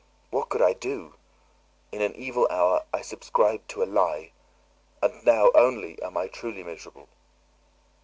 What could I do? In an evil hour I subscribed to a lie; and now only am I truly miserable."